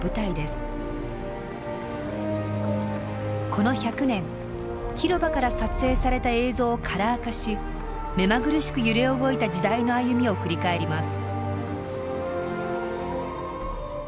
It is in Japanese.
この１００年広場から撮影された映像をカラー化し目まぐるしく揺れ動いた時代の歩みを振り返ります。